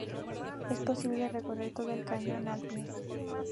Es posible recorrer todo el cañón a pie.